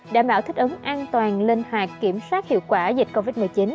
đảm bảo thích ứng an toàn linh hoạt kiểm soát hiệu quả dịch covid một mươi chín